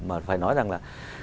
mà phải nói rằng là